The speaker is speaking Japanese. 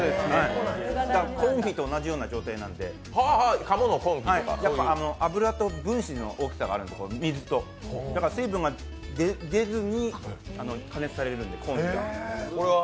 コンフィと同じような状態なので油と水の分子の大きさがあるんですけどだから水分が出ずに加熱されるのでコンフィは。